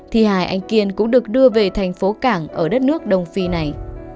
thi hài anh kiên cũng được đưa về thành phố cảng ở đất nước đông phi này